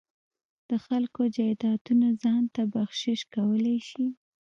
د خلکو جایدادونه ځان ته بخشش کولای شي.